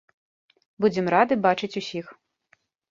Будзем рады бачыць усіх.